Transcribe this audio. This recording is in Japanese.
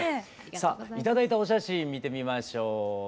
さあ頂いたお写真見てみましょう。